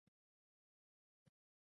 دا به د دوی د قضیې په تړاو